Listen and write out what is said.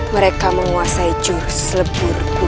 mereka menguasai jurus leburku